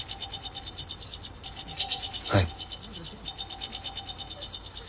はい。